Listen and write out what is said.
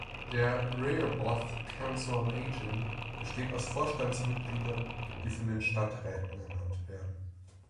Der „Rehoboth Council on Aging“ besteht aus Vorstandsmitgliedern, die von den Stadträten ernannt werden.